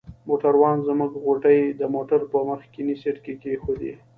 موټروان زموږ غوټې د موټر په مخکني سیټ کې کښېښودې.